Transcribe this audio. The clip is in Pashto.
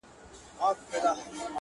د پنیر ټوټه ترې ولوېده له پاسه-